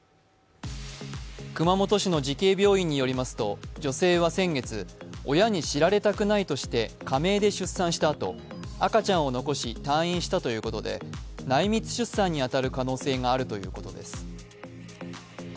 熊本市の慈恵病院によりますと女性は先月、親に知られたくないとして仮名で出産したあと、赤ちゃんを残し退院したということで内密出産に当たる可能性があるということです。